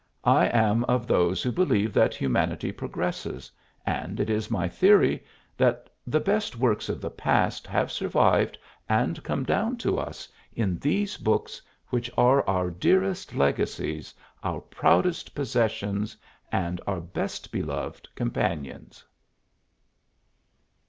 I am of those who believe that humanity progresses, and it is my theory that the best works of the past have survived and come down to us in these books which are our dearest legacies, our proudest possessions, and our best beloved companions.